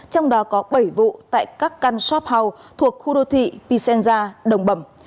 trong đó có bảy vụ tại các căn shop house thuộc khu đô thị pisenja đồng bẩm